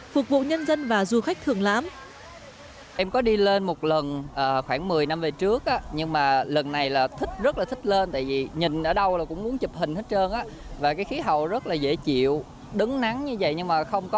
phục vụ nhân dân và du khách thường lãm